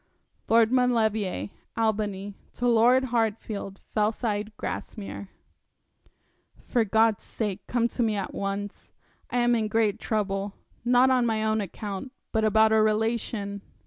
'Lord Maulevrier, Albany, to Lord Hartfield, Fellside, Grasmere. 'For God's sake come to me at once. I am in great trouble; not on my own account, but about a relation.'